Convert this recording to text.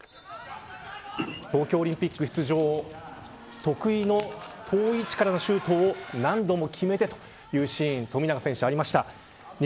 東京オリンピック出場得意の好位置からのシュートを何度も決めてというシーンがありました。